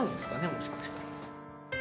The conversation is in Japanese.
もしかしたら。